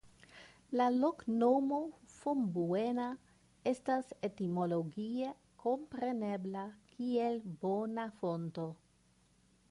La loknomo "Fombuena" estas etimologie komprenebla kiel "Bona Fonto".